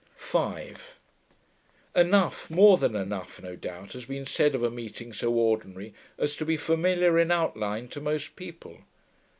5 Enough, more than enough, no doubt, has been said of a meeting so ordinary as to be familiar in outline to most people.